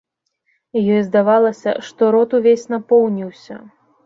Ёй здавалася, што рот увесь напоўніўся.